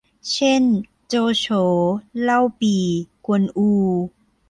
เช่น โจโฉ เล่าปี่ กวนอู